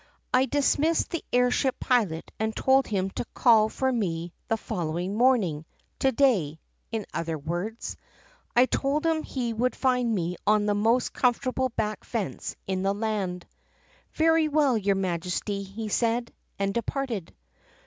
"I dismissed the air ship pilot and told him to call for me the following morning — to day , in other words. I told him he would find me on the most comfortable back fence in the land. " 'Very well, your Majesty,' he said, and departed.